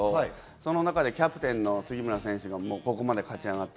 その中でキャプテンの杉村選手、ここまで勝ち上がって。